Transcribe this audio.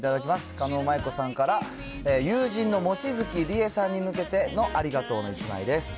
狩野舞子さんから友人の望月理恵さんに向けてのありがとうの１枚です。